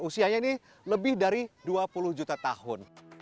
usianya ini lebih dari dua puluh juta tahun